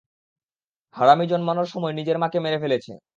হারামি জন্মানোর সময়ে নিজের মাকে মেরে ফেলেছে।